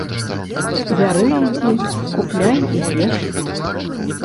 Бяры ідзі, купляй і еш.